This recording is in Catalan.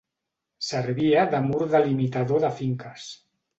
Servia de mur delimitador de finques.